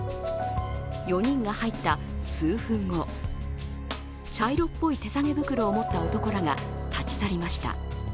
４人が入った数分後茶色っぽい手提げ袋を持った男らが立ち去りました。